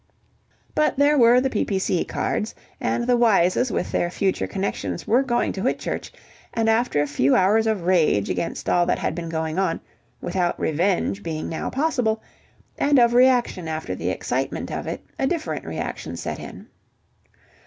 But there were the P.P.C. cards, and the Wyses with their future connections were going to Whitchurch, and after a few hours of rage against all that had been going on, without revenge being now possible, and of reaction after the excitement of it, a different reaction set in.